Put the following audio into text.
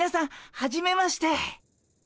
ははじめまして。